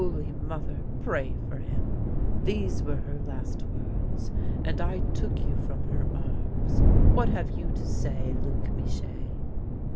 Holy Mother, pray for him !' These were her last words, and I took you from her arms. What have you to say, Luc Michee